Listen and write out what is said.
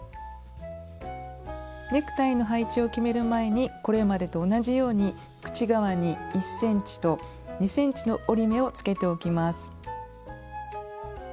ネクタイの配置を決める前にこれまでと同じように口側に１ｃｍと２ｃｍの折り目をつけておきます。